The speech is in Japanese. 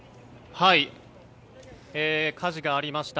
火事がありました